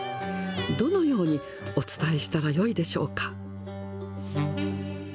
どのようにお伝えしたらよいでしょうか。